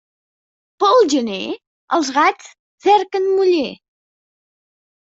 Pel gener els gats cerquen muller.